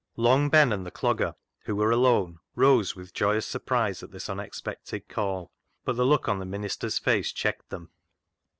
Long Ben and the C logger, who were alone, rose with joyous surprise at this unexpected call, but the look on the minister's face checked them.